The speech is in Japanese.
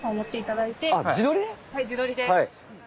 はい自撮りで。